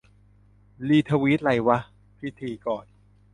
"รีทวีต ไรวะ" - พิธีกร